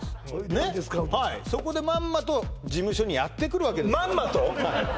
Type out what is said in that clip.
ねっそこでまんまと事務所にやってくるわけですよまんまと？